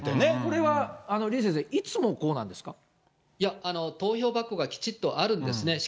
これは李先生、いつもこうな投票箱がきちっとあるんですね。